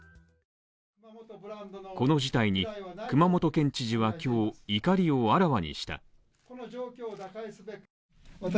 この事態に、熊本県知事は今日怒りをあらわにした。